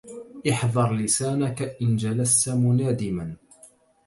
إحذر لسانك إن جلست منادما